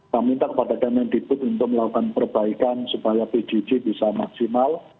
kami minta kepada kemendikbud untuk melakukan perbaikan supaya pjj bisa maksimal